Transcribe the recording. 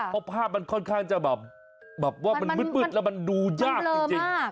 เพราะภาพมันค่อนข้างจะแบบว่ามันมืดแล้วมันดูยากจริง